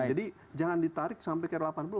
jadi jangan ditarik sampai ke r delapan puluh